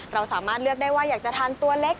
เราสามารถเลือกได้ว่าอยากจะทานตัวเล็ก